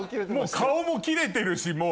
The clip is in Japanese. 顔も切れてるしもう。